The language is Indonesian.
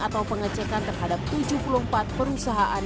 atau pengecekan terhadap tujuh puluh empat perusahaan